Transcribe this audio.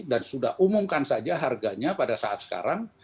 dan sudah umumkan saja harganya pada saat sekarang